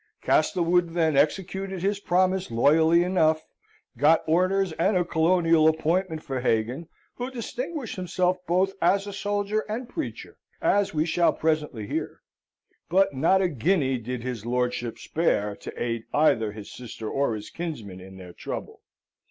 Castlewood then executed his promise loyally enough, got orders and a colonial appointment for Hagan, who distinguished himself both as soldier and preacher, as we shall presently hear; but not a guinea did his lordship spare to aid either his sister or his kinsman in their trouble.